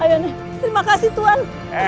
ayoneh terima kasih tuhan